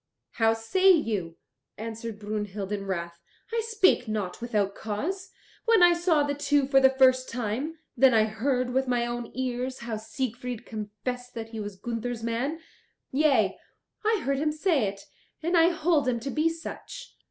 "How say you?" answered Brunhild in wrath; "I spake not without cause. When I saw the two for the first time, then I heard with my own ears how Siegfried confessed that he was Gunther's man. Yea, I heard him say it, and I hold him to be such."